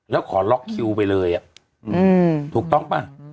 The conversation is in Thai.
แล้วขอล็อกคิวไปเลยถูกต้องป่ะ